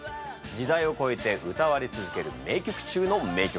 時代をこえて歌われ続ける名曲中の名曲。